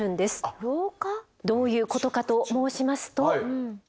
どういうことかと申しますと。